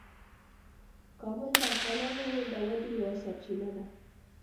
کابل د افغانانو د ودې یوه سرچینه ده.